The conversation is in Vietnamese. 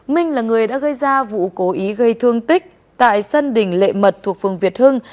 minh là người đã gây ra vụ cố ý gây thương tích tại sân đỉnh lệ mật thuộc phường việt hưng